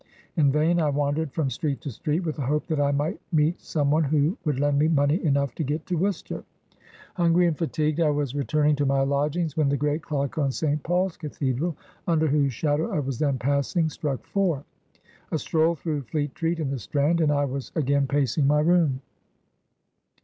In vain I wandered from street to street, with the hope that I might meet some one who would lend me money enough to get to Worcester. Hungry and fatigued, I was returning to my lodgings, when the great clock on St. Paul's Cathedral, under whose shadow I was then passing, struck four. A stroll through Fleet street and the Strand, and I was again pacing my room.